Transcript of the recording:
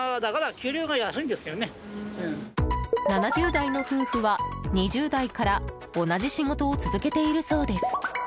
７０代の夫婦は、２０代から同じ仕事を続けているそうです。